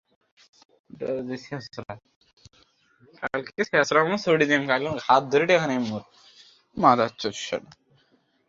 আমার বন্ধু যে কি-না সদ্য নতুন ভিলা কিনেছে, বাড়ির জন্য কাষ্ঠফলক অর্ডার করেছে।